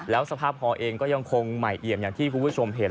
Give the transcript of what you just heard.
แล้วสภาพคอเองก็ยังคงใหม่เอี่ยมอย่างที่คุณผู้ชมเห็น